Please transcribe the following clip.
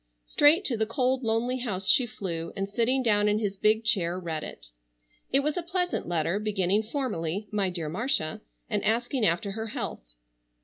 Straight to the cold, lonely house she flew, and sitting down in his big chair read it. It was a pleasant letter, beginning formally: "My dear Marcia," and asking after her health.